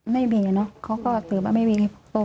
ไม่มีเนอะเค้าก็ซื้อมาไม่มี